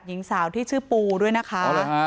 หญิงสาวที่ชื่อปูด้วยนะคะ